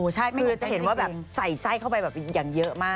ใช่คือจะเห็นว่าแบบใส่ไส้เข้าไปแบบอย่างเยอะมาก